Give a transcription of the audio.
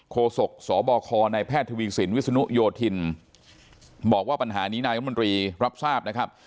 โศกสบคในแพทย์ทวีสินวิศนุโยธินบอกว่าปัญหานี้นายรัฐมนตรีรับทราบนะครับ